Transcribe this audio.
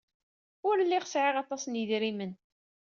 Ur lliɣ sɛiɣ aṭas n yedrimen.